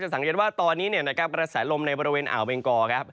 สังเกตว่าตอนนี้กระแสลมในบริเวณอ่าวเบงกอครับ